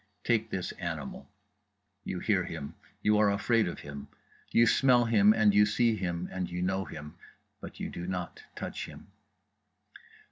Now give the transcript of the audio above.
Take this animal. You hear him, you are afraid of him, you smell and you see him and you know him—but you do not touch him.